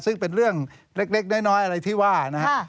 ซึ่งเป็นเรื่องเล็กน้อยอะไรที่ว่านะฮะ